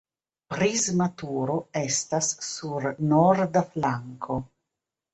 Prisma turo estas sur norda flanko.